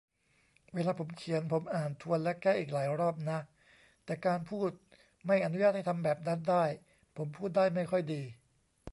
เวลาผมเขียน ผมอ่านทวนและแก้อีกหลายรอบนะ แต่การพูดไม่อนุญาตให้ทำแบบนั้นได้ ผมพูดได้ไม่ค่อยดี